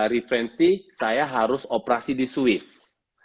referensi saya harus operasi di swiss